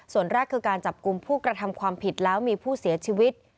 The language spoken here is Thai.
ส่วนแรกคือการจับกลุ่มผู้กระทำความผิดแล้วมีผู้เสียชีวิต